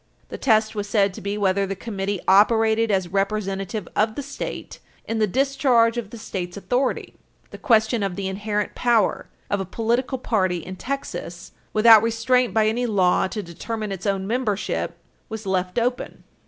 The test was said to be whether the Committee operated as representative of the State in the discharge of the State's authority. Nixon v. Condon, 286 U. S. 73. The question of the inherent power Page 321 U. S. 659 of a political party in Texas "without restraint by any law to determine its own membership" was lift open.